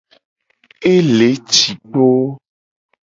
Ele ci kpo.